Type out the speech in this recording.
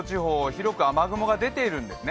広く雨雲が出ているんですね。